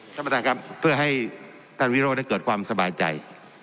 ท่านประธานครับเพื่อให้ท่านวิโรธได้เกิดความสบายใจ